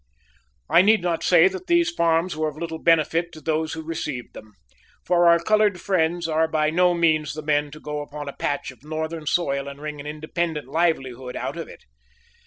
I need not say that these farms were of little benefit to those who received them, for our colored friends are by no means the men to go upon a patch of northern soil and wring an independent livelihood out of it.